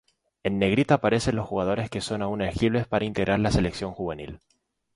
En Negrita aparecen los jugadores que son aún elegibles para integrar la selección juvenil.